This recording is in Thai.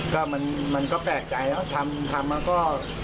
เนี่ยก็มันก็แปลกใจทำแล้วก็